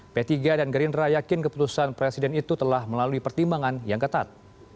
p tiga dan gerindra yakin keputusan presiden itu telah melalui pertimbangan yang ketat